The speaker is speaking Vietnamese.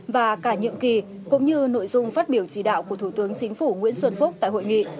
và cả nhiệm kỳ cũng như nội dung phát biểu chỉ đạo của thủ tướng chính phủ nguyễn xuân phúc tại hội nghị